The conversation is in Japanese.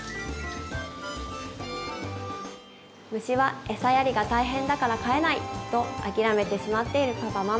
虫はエサやりが大変だから飼えない！と諦めてしまっているパパママ。